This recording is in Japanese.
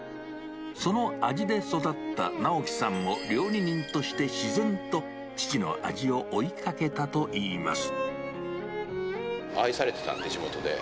その味で育った直樹さんも料理人として自然と父の味を追いかけた愛されてたんで、地元で。